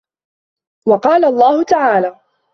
وَقَالَ اللَّهُ تَعَالَى